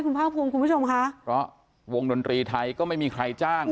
คุณภาคภูมิคุณผู้ชมค่ะเพราะวงดนตรีไทยก็ไม่มีใครจ้าง